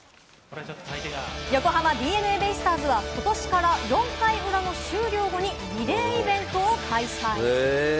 横浜ＤｅＮＡベイスターズは今年から４回裏の終了後にリレーイベント開催。